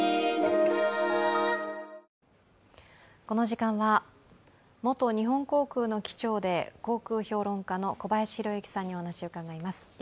この時間は、元日本航空の機長で航空評論家の小林宏之さんにお話を伺います。